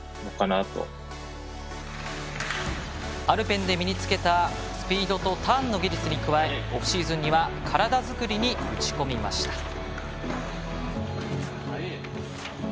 アルペンで身につけたスピードとターンの技術に加えオフシーズンには体作りに打ち込みました。